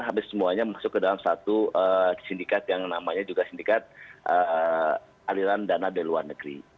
hampir semuanya masuk ke dalam satu sindikat yang namanya juga sindikat aliran dana dari luar negeri